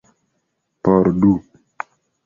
Por du.